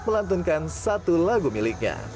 melantunkan satu lagu miliknya